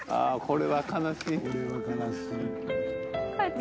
これは悲しい。